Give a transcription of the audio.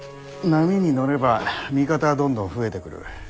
波に乗れば味方はどんどん増えてくる。